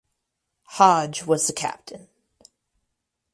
Hodge was the captain.